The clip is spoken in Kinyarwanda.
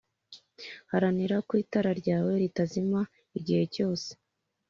Haranira ko itara ryawe ritazima igihe cyose